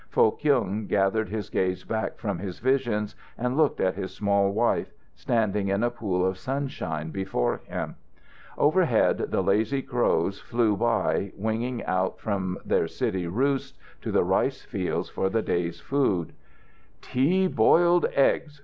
Foh Kyung gathered his gaze back from his visions and looked at his small wife, standing in a pool of sunshine before him. Overhead the lazy crows flew by, winging out from their city roosts to the rice fields for the day's food. "Tea boiled eggs!"